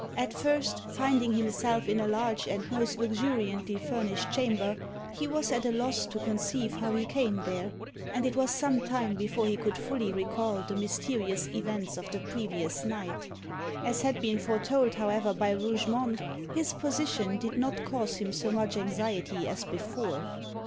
At first, finding himself in a large and most luxuriantly furnished chamber, he was at a loss to conceive how he came there, and it was some time before he could fully recall the mysterious events of the previous night. As had been foretold, however, by Rougemont, his position did not cause him so much anxiety as before.